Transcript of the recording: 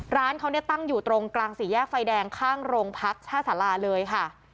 ร้านเขาเนี่ยตั้งอยู่ตรงกลางสี่แยกไฟแดงข้างโรงพักท่าสาราเลยค่ะ